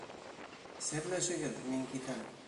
Серләшегеҙ, мин китәм.